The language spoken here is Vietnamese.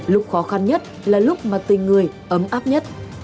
lúc khó khăn nhất là lúc mà tình người ấm áp nhất